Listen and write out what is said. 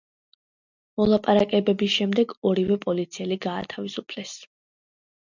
მოლაპარაკებების შემდეგ ორივე პოლიციელი გაანთავისუფლეს.